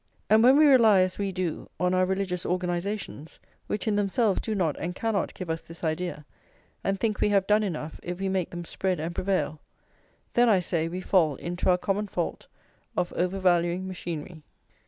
And when we rely as we do on our religious organisations, which in themselves do not and cannot give us this idea, and think we have done enough if we make them spread and prevail, then, I say, we fall into our common fault of overvaluing machinery.